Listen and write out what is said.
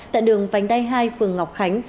tại đường vành đay hai phường ngọc khánh